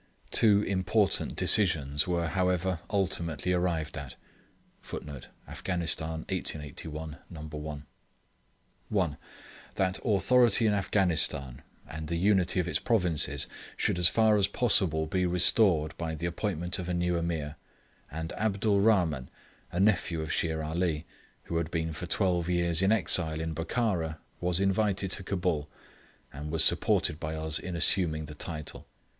Two important decisions were however ultimately arrived at: [Footnote: Afghanistan, 1881, No. 1.] 1. That authority in Afghanistan, and the unity of its provinces, should as far as possible be restored by the appointment of a new Ameer; and Abdul Rahman, a nephew of Shere Ali, who had been for twelve years an exile in Bokhara, was invited to Cabul, and was supported by us in assuming the title.